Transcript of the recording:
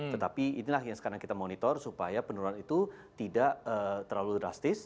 tetapi inilah yang sekarang kita monitor supaya penurunan itu tidak terlalu drastis